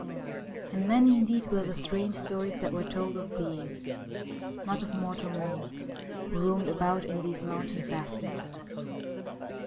And many, indeed, were the strange stories that were told of beings, not of mortal mould, who roamed about in these mountain fastnesses.